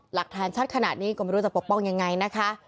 หลักฐานชัดขนาดนี้ก็ไม่รู้จะปกป้องยังไงนะคะ